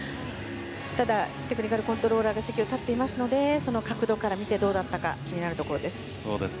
ただテクニカルコントローラーが席を立っていますのでその角度から見てどうだったかが気になるところです。